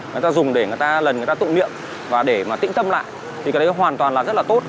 người ta dùng để người ta lần người ta tụ niệm và để mà tĩnh tâm lại thì cái đấy nó hoàn toàn là rất là tốt